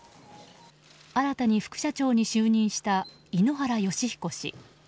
新たに副社長に就任した井ノ原快彦氏